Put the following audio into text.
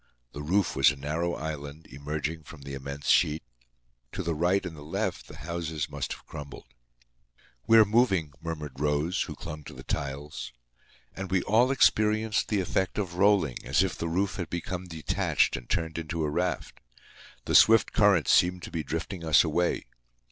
The roof was a narrow island, emerging from the immense sheet. To the right and the left the houses must have crumbled. "We are moving," murmured Rose, who clung to the tiles. And we all experienced the effect of rolling, as if the roof had become detached and turned into a raft. The swift currents seemed to be drifting us away.